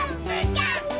キャンプ！